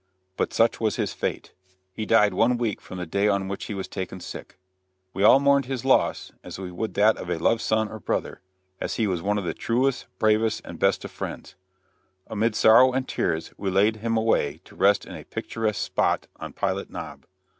But such was his fate. He died one week from the day on which he was taken sick. We all mourned his loss as we would that of a loved son or brother, as he was one of the truest, bravest, and best of friends. Amid sorrow and tears we laid him away to rest in a picturesque spot on Pilot Knob.